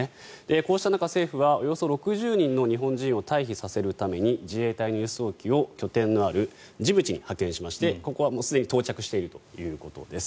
こうした中、政府はおよそ６０人の日本人を退避させるために自衛隊の輸送機を拠点のあるジブチに派遣しましてここはすでに到着しているということです。